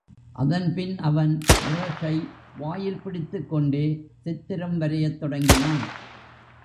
அதன்பின் அவன் பிரஷை வாயில் பிடித்துக் கொண்டே சித்திரம் வரையத் தொடங்கினான்.